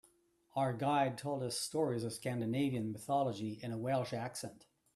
Our guide told us stories of Scandinavian mythology in a Welsh accent.